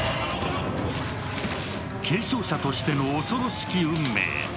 継承者としての恐ろしき運命。